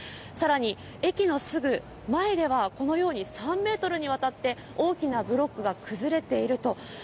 さらに駅のすぐ前では、このように３メートルにわたって大きなブロックが崩れている。